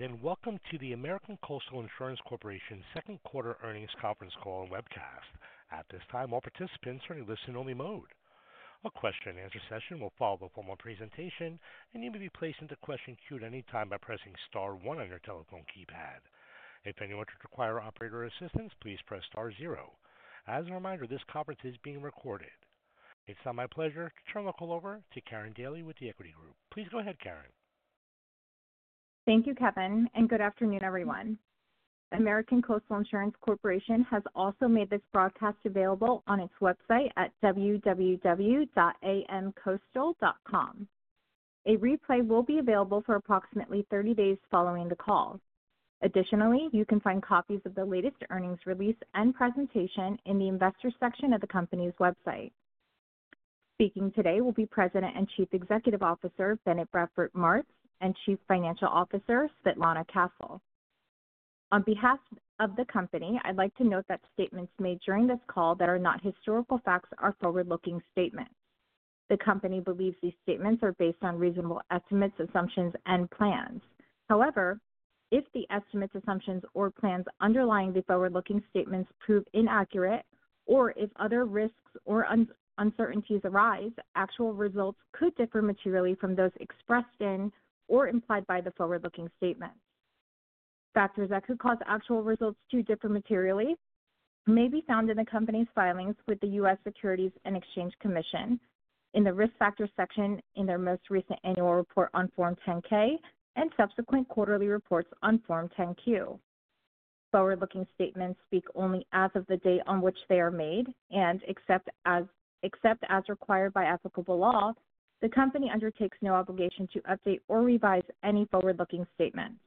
Meetings and welcome to the American Coastal Insurance Corporation's second quarter earnings conference call and webcast. At this time, all participants are in listen-only mode. A question-and answer session will follow with one more presentation, and you may be placed into the question queue at any time by pressing star one on your telephone keypad. If anyone should require operator assistance, please press star zero. As a reminder, this conference is being recorded. It's now my pleasure to turn the call over to Karin Daly with The Equity Group. Please go ahead, Karin. Thank you, Kevin, and good afternoon, everyone. American Coastal Insurance Corporation has also made this broadcast available on its website at www.amcoastal.com. A replay will be available for approximately 30 days following the call. Additionally, you can find copies of the latest earnings release and presentation in the investor section of the company's website. Speaking today will be President and Chief Executive Officer Bennett Bradford Martz and Chief Financial Officer Svetlana Castle. On behalf of the company, I'd like to note that statements made during this call that are not historical facts are forward-looking statements. The company believes these statements are based on reasonable estimates, assumptions, and plans. However, if the estimates, assumptions, or plans underlying the forward-looking statements prove inaccurate, or if other risks or uncertainties arise, actual results could differ materially from those expressed in or implied by the forward-looking statements. Factors that could cause actual results to differ materially may be found in the company's filings with the U.S. Securities and Exchange Commission in the risk factor section in their most recent annual report on Form 10-K and subsequent quarterly reports on Form 10-Q. Forward-looking statements speak only as of the date on which they are made, and except as required by applicable law, the company undertakes no obligation to update or revise any forward-looking statements.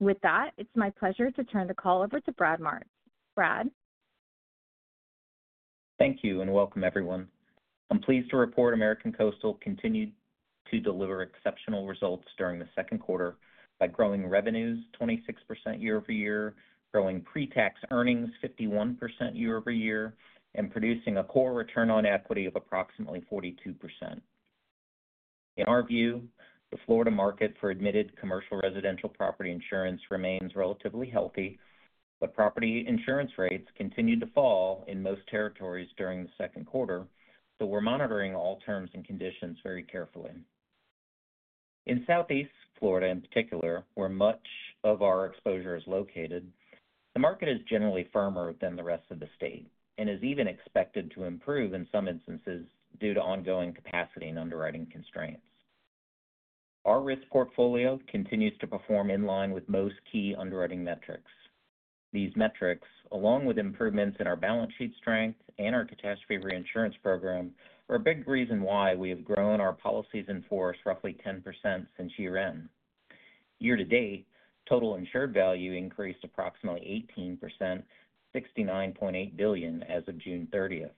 With that, it's my pleasure to turn the call over to Brad Martz. Brad. Thank you and welcome, everyone. I'm pleased to report American Coastal continued to deliver exceptional results during the second quarter by growing revenues 26% year-over-year, growing pre-tax earnings 51% year-over-year, and producing a core return on equity of approximately 42%. In our view, the Florida market for admitted commercial residential property insurance remains relatively healthy, but property insurance rates continued to fall in most territories during the second quarter, so we're monitoring all terms and conditions very carefully. In Southeast Florida, in particular, where much of our exposure is located, the market is generally firmer than the rest of the state and is even expected to improve in some instances due to ongoing capacity and underwriting constraints. Our risk portfolio continues to perform in line with most key underwriting metrics. These metrics, along with improvements in our balance sheet strength and our catastrophe reinsurance program, are a big reason why we have grown our policies in force roughly 10% since year-end. Year to date, total insured value increased approximately 18%, $69.8 billion as of June 30th.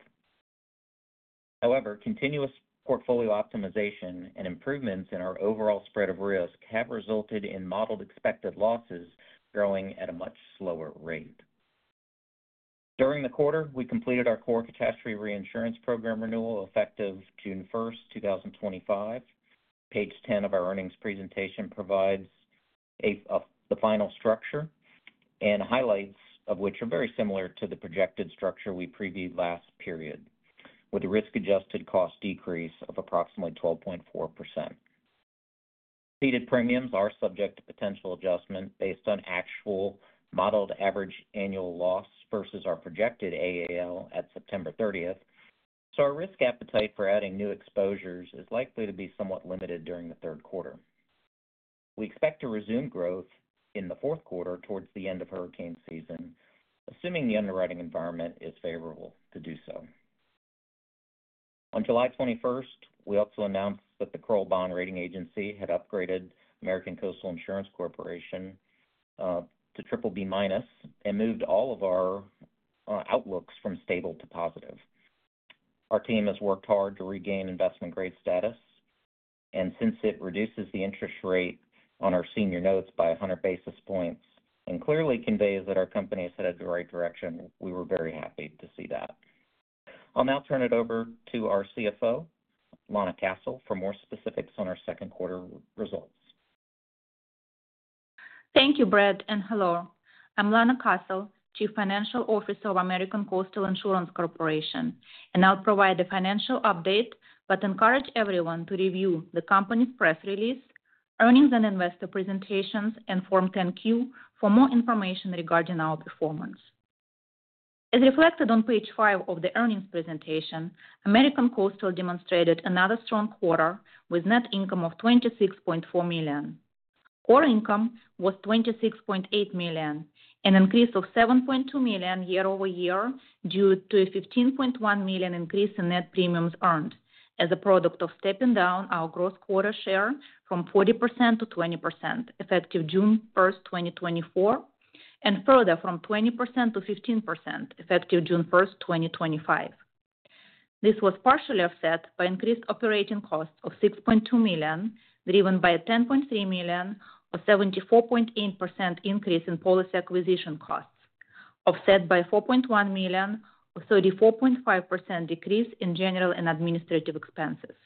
However, continuous portfolio optimization and improvements in our overall spread of risk have resulted in modeled expected losses growing at a much slower rate. During the quarter, we completed our core catastrophe reinsurance program renewal effective June 1st, 2025. Page 10 of our earnings presentation provides the final structure and highlights of which are very similar to the projected structure we previewed last period, with a risk-adjusted cost decrease of approximately 12.4%. Payment premiums are subject to potential adjustment based on actual modeled average annual loss versus our projected AAL at September 30th, so our risk appetite for adding new exposures is likely to be somewhat limited during the third quarter. We expect to resume growth in the fourth quarter towards the end of hurricane season, assuming the underwriting environment is favorable to do so. On July 21st, we also announced that the Kroll Bond Rating Agency had upgraded American Coastal Insurance Corporation to triple B minus and moved all of our outlooks from stable to positive. Our team has worked hard to regain investment-grade status, and since it reduces the interest rate on our senior notes by 100 basis points and clearly conveys that our company is headed in the right direction, we were very happy to see that. I'll now turn it over to our CFO, Lana Castle, for more specifics on our second quarter results. Thank you, Brad, and hello. I'm Lana Castle, Chief Financial Officer of American Coastal Insurance Corporation, and I'll provide the financial update but encourage everyone to review the company's press release, earnings and investor presentations, and Form 10-Q for more information regarding our performance. As reflected on page five of the earnings presentation, American Coastal demonstrated another strong quarter with net income of $26.4 million. Core income was $26.8 million, an increase of $7.2 million year-over-year due to a $15.1 million increase in net premiums earned as a product of stepping down our gross quota share from 40% to 20% effective June 1st, 2024, and further from 20% to 15% effective June 1st, 2025. This was partially offset by increased operating costs of $6.2 million, driven by a $10.3 million or 74.8% increase in policy acquisition costs, offset by a $4.1 million or 34.5% decrease in general and administrative expenses.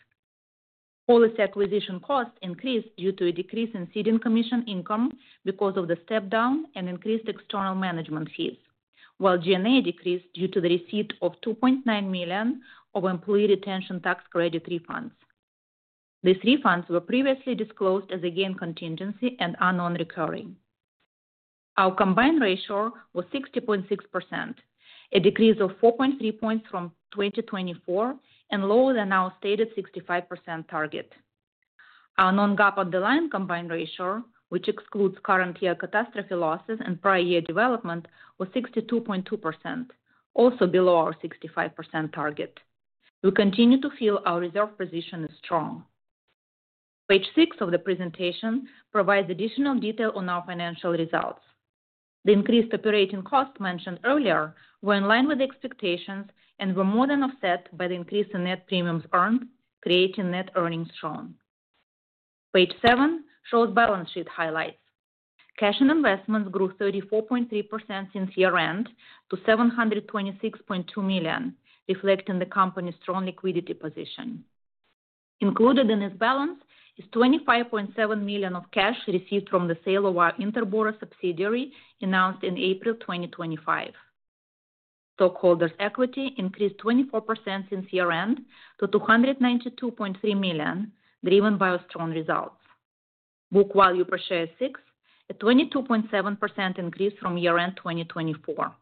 Policy acquisition costs increased due to a decrease in ceding commission income because of the step-down and increased external management fees, while G&A decreased due to the receipt of $2.9 million of employee retention tax credit refunds. These refunds were previously disclosed as a gain contingency and unknown recurring. Our combined ratio was 60.6%, a decrease of 4.3 points from 2024 and lower than our stated 65% target. Our non-GAAP underlying combined ratio, which excludes current year catastrophe losses and prior year development, was 62.2%, also below our 65% target. We continue to feel our reserve position is strong. Page six of the presentation provides additional detail on our financial results. The increased operating costs mentioned earlier were in line with expectations and were more than offset by the increase in net premiums earned, creating net earnings strong. Page seven shows balance sheet highlights. Cash and investments grew 34.3% since year-end to $726.2 million, reflecting the company's strong liquidity position. Included in this balance is $25.7 million of cash received from the sale of our inter-border subsidiary announced in April 2025. Stockholders' equity increased 24% since year-end to $292.3 million, driven by our strong results. Book value per share is $6, a 22.7% increase from year-end 2024.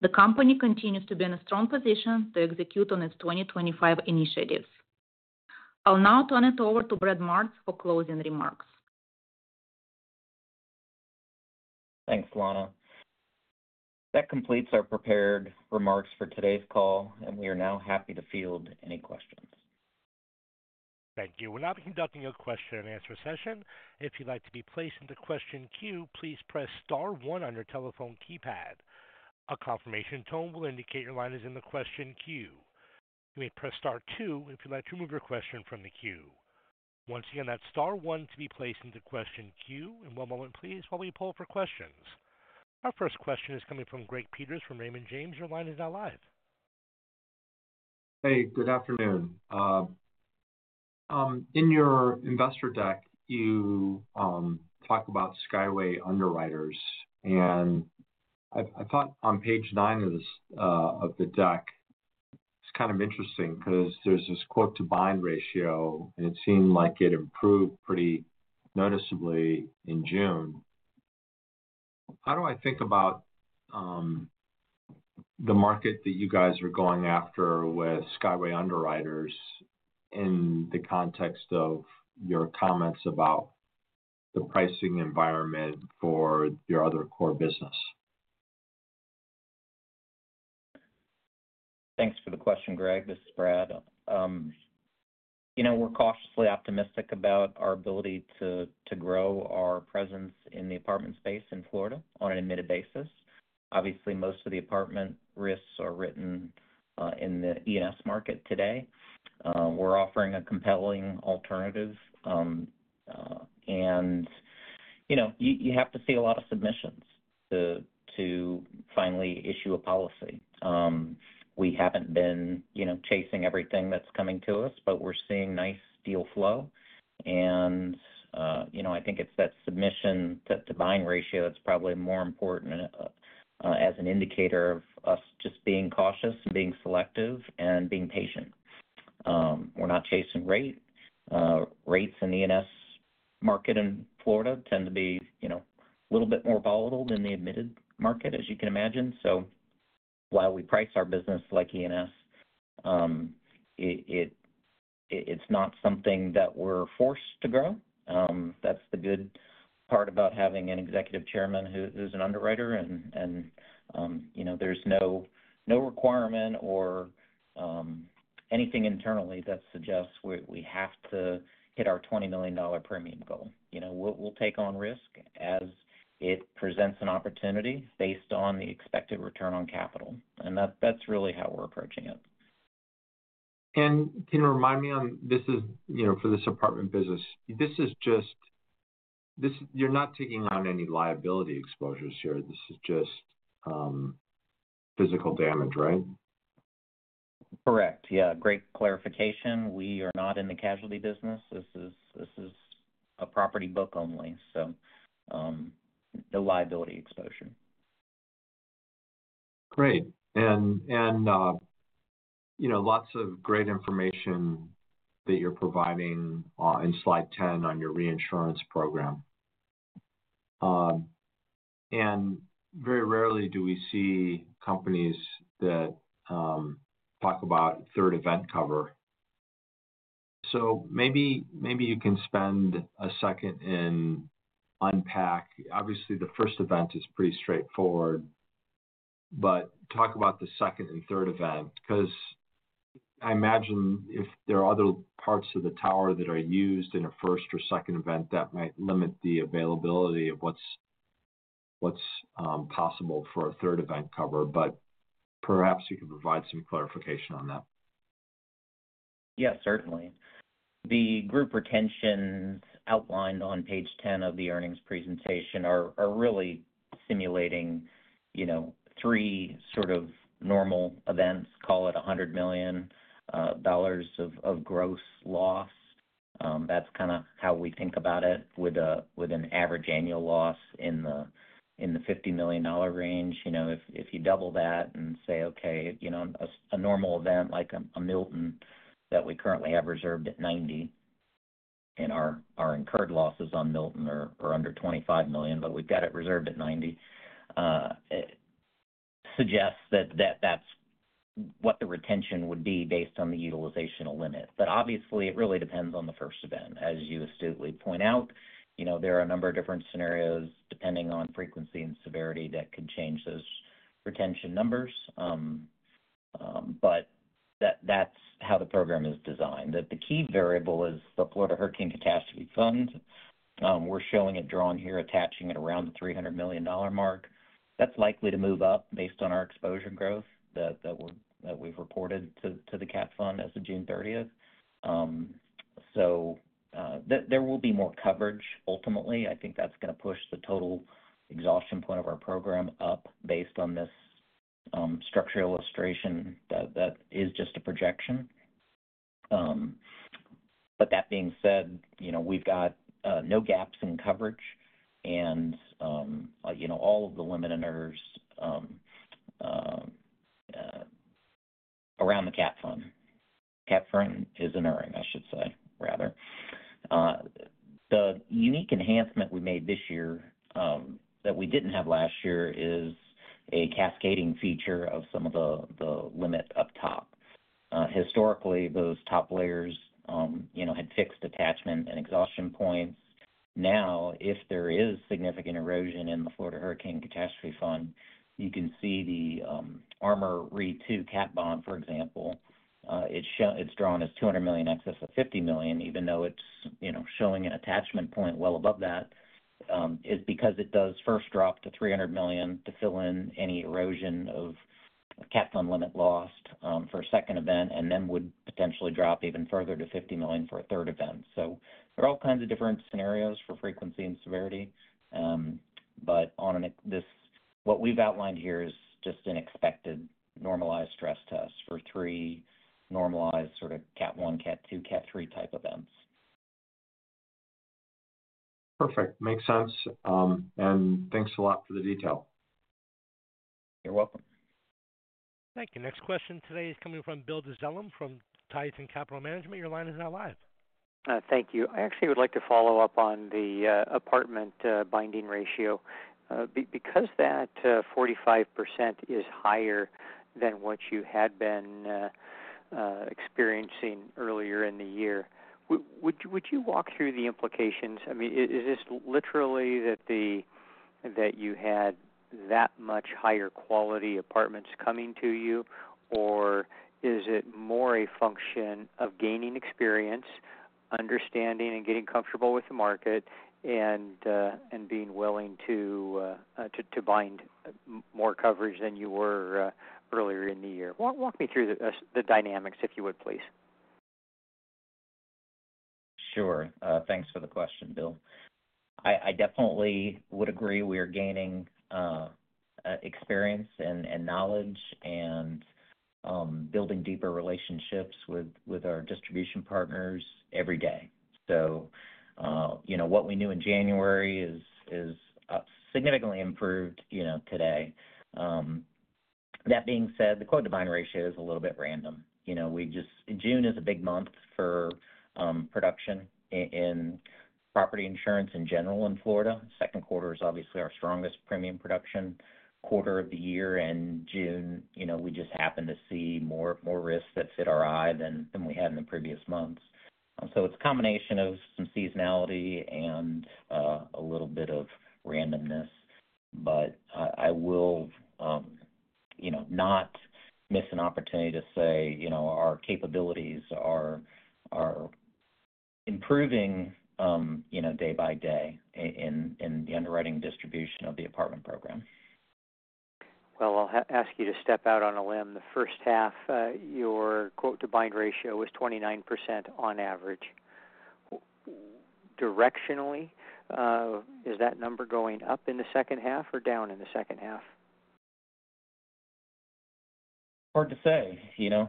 The company continues to be in a strong position to execute on its 2025 initiatives. I'll now turn it over to Brad Martz for closing remarks. Thanks, Lana. That completes our prepared remarks for today's call, and we are now happy to field any questions. Thank you. We're now conducting a question-and-answer session. If you'd like to be placed into question queue, please press star one on your telephone keypad. A confirmation tone will indicate your line is in the question queue. You may press star two if you'd like to remove your question from the queue. Once again, that's star one to be placed into question queue. One moment, please, while we poll for questions. Our first question is coming from Greg Peters from Raymond James. Your line is now live. Hey, good afternoon. In your investor deck, you talk about Skyway Underwriters, and I thought on page nine of the deck, it's kind of interesting because there's this quote-to-bind ratio, and it seemed like it improved pretty noticeably in June. How do I think about the market that you guys are going after with Skyway Underwriters in the context of your comments about the pricing environment for your other core business? Thanks for the question, Greg. This is Brad. We're cautiously optimistic about our ability to grow our presence in the apartment space in Florida on an admitted basis. Most of the apartment risks are written in the E&S market today. We're offering a compelling alternative, and you have to see a lot of submissions to finally issue a policy. We haven't been chasing everything that's coming to us, but we're seeing nice deal flow. I think it's that submission to bind ratio that's probably more important as an indicator of us just being cautious and being selective and being patient. We're not chasing rate. Rates in the E&S market in Florida tend to be a little bit more volatile than the admitted market, as you can imagine. While we price our business like E&S, it's not something that we're forced to grow. That's the good part about having an Executive Chairman who's an underwriter, and there's no requirement or anything internally that suggests we have to hit our $20 million premium goal. We'll take on risk as it presents an opportunity based on the expected return on capital. That's really how we're approaching it. Can you remind me on this, for this apartment business, you're not taking on any liability exposures here. This is just physical damage, right? Correct. Yeah. Great clarification. We are not in the casualty business. This is a property book only, so no liability exposure. Great. You know, lots of great information that you're providing in slide 10 on your reinsurance program. Very rarely do we see companies that talk about third event cover. Maybe you can spend a second and unpack. Obviously, the first event is pretty straightforward, but talk about the second and third event because I imagine if there are other parts of the tower that are used in a first or second event, that might limit the availability of what's possible for a third event cover. Perhaps you could provide some clarification on that. Yeah, certainly. The group retentions outlined on page 10 of the earnings presentation are really simulating three sort of normal events. Call it $100 million of gross loss. That's kind of how we think about it with an average annual loss in the $50 million range. If you double that and say, okay, a normal event like a Milton that we currently have reserved at $90 million and our incurred losses on Milton are under $25 million, but we've got it reserved at $90 million, it suggests that that's what the retention would be based on the utilizational limit. Obviously, it really depends on the first event. As you astutely point out, there are a number of different scenarios depending on frequency and severity that could change those retention numbers. That's how the program is designed. The key variable is the Florida Hurricane Catastrophe Fund. We're showing it drawn here, attaching it around the $300 million mark. That's likely to move up based on our exposure growth that we've reported to the CAT fund as of June 30th. There will be more coverage ultimately. I think that's going to push the total exhaustion point of our program up based on this structural illustration that is just a projection. That being said, we've got no gaps in coverage and all of the limiting errors around the CAT fund. CAT fund is an error, I should say, rather. The unique enhancement we made this year that we didn't have last year is a cascading feature of some of the limit up top. Historically, those top layers had fixed attachment and exhaustion points. Now, if there is significant erosion in the Florida Hurricane Catastrophe Fund, you can see the ARMOR RE2 CAT bond, for example. It's drawn as $200 million excess of $50 million, even though it's showing an attachment point well above that. It's because it does first drop to $300 million to fill in any erosion of CAT fund limit lost for a second event and then would potentially drop even further to $50 million for a third event. There are all kinds of different scenarios for frequency and severity. On this, what we've outlined here is just an expected normalized stress test for three normalized sort of CAT 1, CAT 2, CAT 3 type events. Perfect. Makes sense. Thanks a lot for the detail. You're welcome. Thank you. Next question today is coming from Bill Dezellem from Tieton Capital Management. Your line is now live. Thank you. I actually would like to follow up on the apartment binding ratio. Because that 45% is higher than what you had been experiencing earlier in the year, would you walk through the implications? I mean, is this literally that you had that much higher quality apartments coming to you, or is it more a function of gaining experience, understanding, and getting comfortable with the market and being willing to bind more coverage than you were earlier in the year? Walk me through the dynamics, if you would, please. Sure. Thanks for the question, Bill. I definitely would agree we are gaining experience and knowledge and building deeper relationships with our distribution partners every day. What we knew in January is significantly improved today. That being said, the quote-to-bind ratio is a little bit random. June is a big month for production in property insurance in general in Florida. Second quarter is obviously our strongest premium production quarter of the year. In June, we just happened to see more risks that fit our eye than we had in the previous months. It is a combination of some seasonality and a little bit of randomness. I will not miss an opportunity to say our capabilities are improving day by day in the underwriting distribution of the apartment program. I'll ask you to step out on a limb. The first half, your quote-to-bind ratio was 29% on average. Directionally, is that number going up in the second half or down in the second half? Hard to say, you know.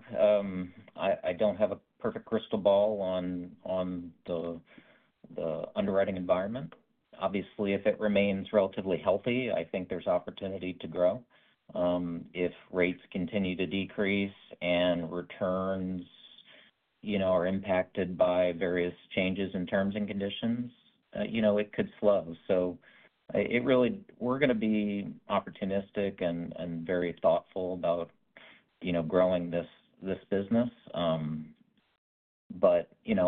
I don't have a perfect crystal ball on the underwriting environment. Obviously, if it remains relatively healthy, I think there's opportunity to grow. If rates continue to decrease and returns are impacted by various changes in terms and conditions, it could slow. It really, we're going to be opportunistic and very thoughtful about growing this business.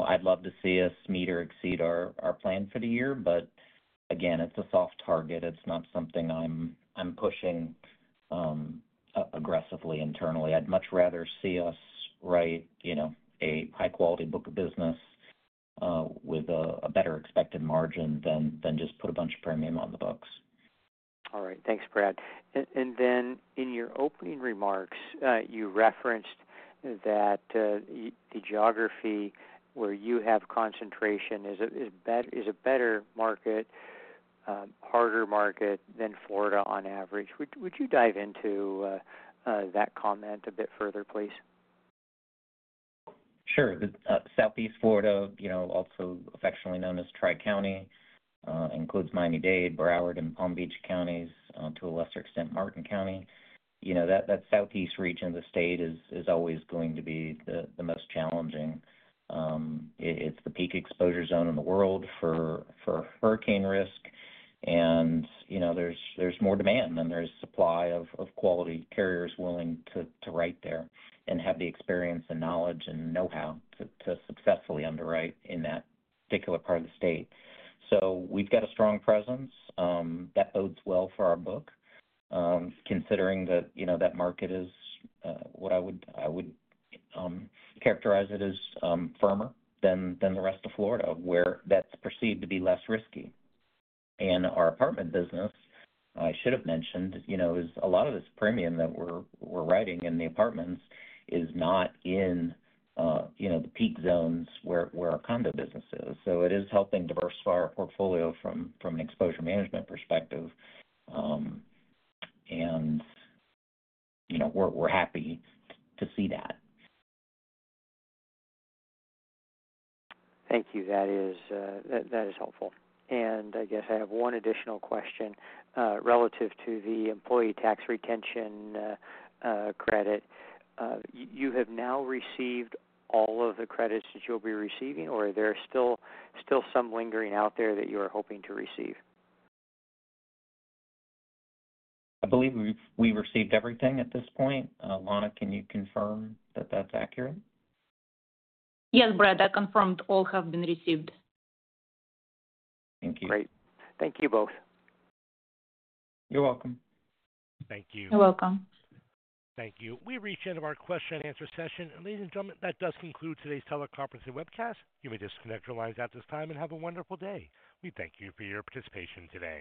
I'd love to see us meet or exceed our plan for the year. Again, it's a soft target. It's not something I'm pushing aggressively internally. I'd much rather see us write a high-quality book of business with a better expected margin than just put a bunch of premium on the books. All right. Thanks, Brad. In your opening remarks, you referenced that the geography where you have concentration is a better market, harder market than Florida on average. Would you dive into that comment a bit further, please? Sure. Southeast Florida, also affectionately known as Tri-County, includes Miami-Dade, Broward, and Palm Beach counties, to a lesser extent, Martin County. That southeast region of the state is always going to be the most challenging. It's the peak exposure zone in the world for hurricane risk. There's more demand than there is supply of quality carriers willing to write there and have the experience and knowledge and know-how to successfully underwrite in that particular part of the state. We've got a strong presence that bodes well for our book, considering that market is what I would characterize as firmer than the rest of Florida, where that's perceived to be less risky. Our apartment business, I should have mentioned, a lot of this premium that we're writing in the apartments is not in the peak zones where our condo business is. It is helping diversify our portfolio from an exposure management perspective. We're happy to see that. Thank you. That is helpful. I guess I have one additional question relative to the employee retention tax credits. You have now received all of the credits that you'll be receiving, or are there still some lingering out there that you are hoping to receive? I believe we've received everything at this point. Lana, can you confirm that that's accurate? Yes, Brad, I confirm all have been received. Thank you. Great. Thank you both. You're welcome. Thank you. You're welcome. Thank you. We reached the end of our question-and-answer session. Ladies and gentlemen, that does conclude today's teleconferencing webcast. You may disconnect your lines at this time and have a wonderful day. We thank you for your participation today.